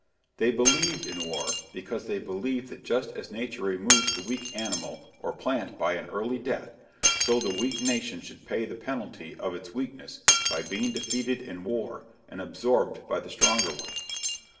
They believed in war, because they believed that just as nature removes the weak animal or plant by an early death, so the weak nation should pay the penalty of its weakness by being defeated in war and absorbed by the stronger one.